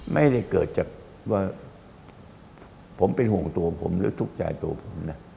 ไม่ได้เกิดจากว่าผมเป็นห่วงตัวผมหรือทุกข์ใจตัวผมนะ